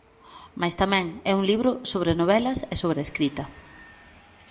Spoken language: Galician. Mais tamén é un libro sobre novelas e sobre a escrita.